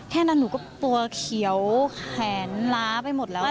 แค่นั้นหนูก็ตัวเขียวแขนล้าไปหมดแล้วค่ะ